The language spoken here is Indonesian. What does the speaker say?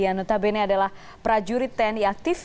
yang notabene adalah prajurit tni aktif